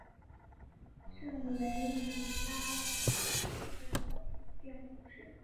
圣雷米拉瓦朗人口变化图示